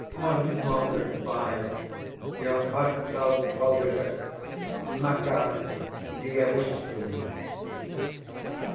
Once more goodbye. Your heartfelt well wisher, MAKAR DIEVUSHKIN.